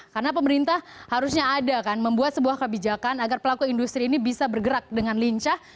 karena pemerintah harusnya ada kan membuat sebuah kebijakan agar pelaku industri ini bisa bergerak dengan lincah